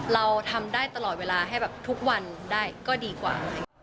เราทำได้ตลอดเวลาให้แบบทุกวันได้ก็ดีกว่า